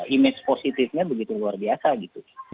image positifnya begitu luar biasa gitu